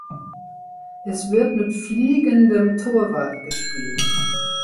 Es wird mit fliegendem Torwart gespielt.